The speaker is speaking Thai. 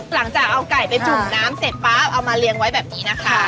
หลังจากเอาไก่ไปจุ่มน้ำเสร็จปั๊บเอามาเลี้ยงไว้แบบนี้นะคะ